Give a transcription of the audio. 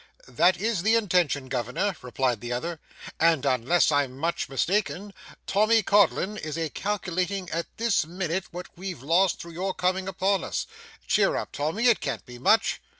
'That is the intention, governor,' replied the other, 'and unless I'm much mistaken, Tommy Codlin is a calculating at this minute what we've lost through your coming upon us. Cheer up, Tommy, it can't be much.